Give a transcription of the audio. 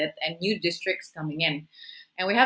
dan distrik baru yang akan masuk